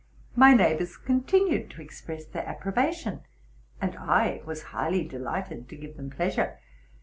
My neighbors continued to express their approbation, and I was highly delighted to give them pleasure.